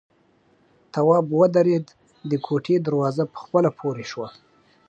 تواب ودرېد، د کوټې دروازه په خپله پورې شوه.